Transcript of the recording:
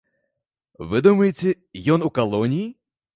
Вы думаеце, ён у калоніі?